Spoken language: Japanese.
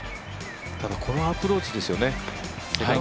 このアプローチですよね。